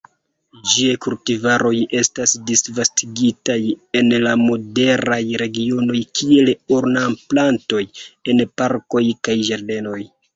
Ĝiaj kultivaroj estas disvastigitaj en la moderaj regionoj kiel ornamplantoj en parkoj kaj ĝardenoj.